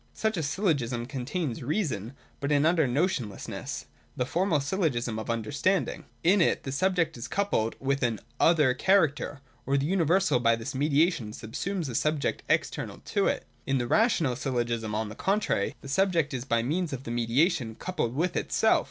Such a Syllogism contains reason, but in utter notionlessness, — the formal Syllogism of Under standing. In it the subject is coupled with an other character ; or the universal by this mediation subsumes 31 6 THE DOCTRINE OF THE NOTION. [182. a subject external to it. In the rational Syllogism, on the contrary, the subject is by means of the mediation coupled with itself.